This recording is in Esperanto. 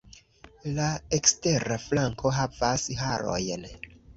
La ekstera flanko havas harojn.